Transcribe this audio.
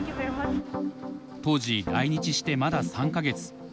当時来日してまだ３か月。